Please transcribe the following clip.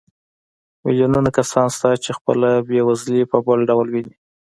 میلیونونه کسان شته چې خپله بېوزلي په بل ډول ویني